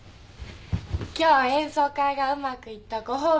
今日演奏会がうまくいったご褒美です。